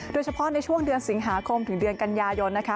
โดยเฉพาะในช่วงเดือนสิงหาคมถึงเดือนกันยายนนะคะ